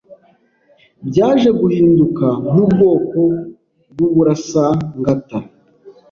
byaje guhinduka nk’ubwoko bw’uburasangata;